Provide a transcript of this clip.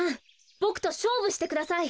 ボクとしょうぶしてください。